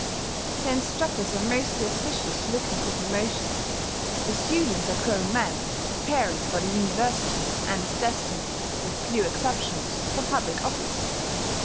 The instructors are mostly officials looking for promotion: the students are grown men, preparing for the University, and destined, with few exceptions, for public office.